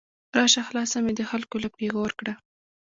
راشه خلاصه مې د خلګو له پیغور کړه